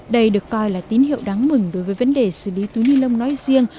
đây được coi là tín hiệu đáng mừng đối với vấn đề xử lý túi ni lông nói riêng